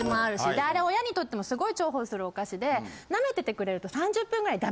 であれ親にとってもすごい重宝するお菓子で舐めててくれると。